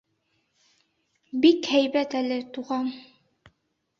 — Бик һәйбәт әле, туған.